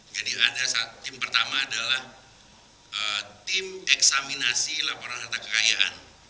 jadi tim pertama adalah tim eksaminasi laporan harta kekayaan